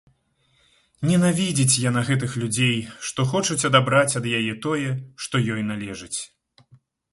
Ненавідзіць яна гэтых людзей, што хочуць адабраць ад яе тое, што ёй належыць.